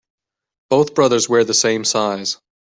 Both brothers wear the same size.